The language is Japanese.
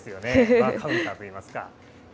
バーカウンターといいますか。